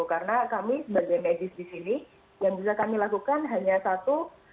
karena kami sebagai medis di sini yang bisa kami lakukan hanya satu